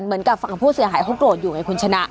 เหมือนกับฝั่งผู้เสียหายเขาโกรธอยู่ไงคุณชนะ